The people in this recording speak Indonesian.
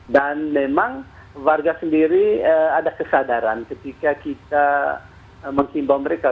memang warga sendiri ada kesadaran ketika kita menghimbau mereka